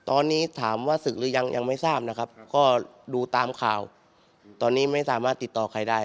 ตอนนี้ถามว่าศึกหรือยังยังไม่ทราบนะครับก็ดูตามข่าวตอนนี้ไม่สามารถติดต่อใครได้